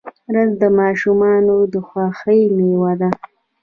رس د ماشومانو د خوښۍ میوه ده